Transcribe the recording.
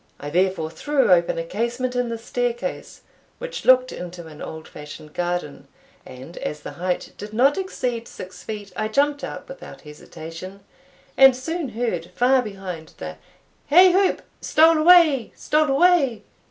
I therefore threw open a casement in the staircase, which looked into an old fashioned garden, and as the height did not exceed six feet, I jumped out without hesitation, and soon heard far behind the "hey whoop! stole away! stole away!"